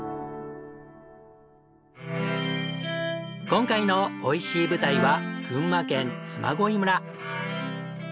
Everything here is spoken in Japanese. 今回のおいしい舞台は群馬県嬬恋村。